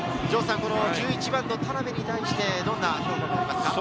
１１番の田邉に対して、どんな評価になりますか？